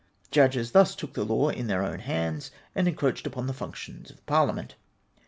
Judges thus took the law in their own hands, and encroached upon the functions of Parliament.